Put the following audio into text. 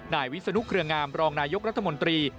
นายวิศนุเครืองามรองนายกรัฐมนตรี